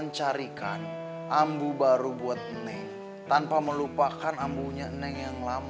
nya broding wadadang